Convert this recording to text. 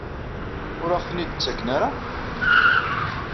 Ur aɣ-ten-id-ttaken ara?